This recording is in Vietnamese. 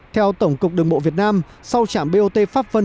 theo tổng cục đường bộ việt nam sau trạm bot pháp vân